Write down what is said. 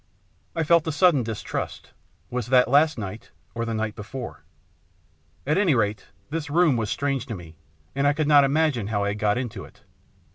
I felt a sudden distrust. Was that last night, or the night before? At anyrate, this room was strange to me, and I could not imagine how I had got into it.